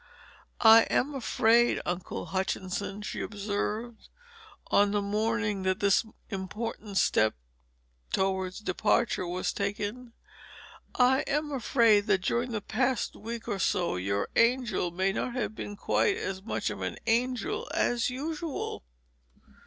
"I am afraid, Uncle Hutchinson," she observed, on the morning that this important step towards departure was taken "I am afraid that during the past week or so your angel may not have been quite as much of an angel as usual."